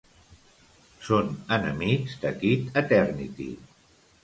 Són enemics de Kid Eternity.